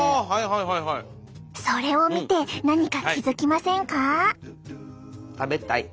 それを見て何か気付きませんか？